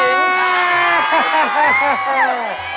เออ